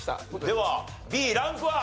ではＤランクは？